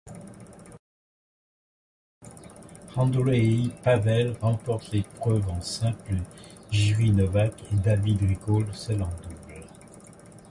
Andrei Pavel remporte l'épreuve en simple, Jiří Novák et David Rikl celle en double.